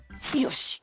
よし。